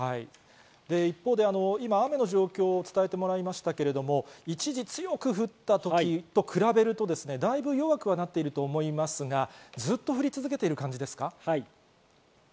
一方、雨の状況を伝えてもらいましたけれども、一時強く降った時と比べると、だいぶ弱くはなっていると思いますが、ずっと降り続けている感じですか？